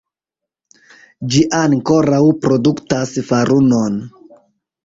Ĝi ankoraŭ produktas farunon.